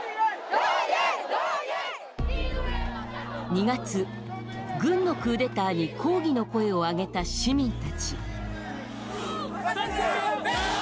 ２月、軍のクーデターに抗議の声をあげた市民たち。